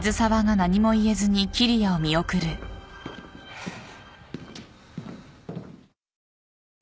ハァ。